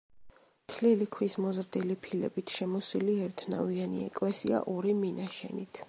თლილი ქვის მოზრდილი ფილებით შემოსილი ერთნავიანი ეკლესია ორი მინაშენით.